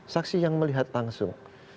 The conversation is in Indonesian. saksi yang melihat tangsung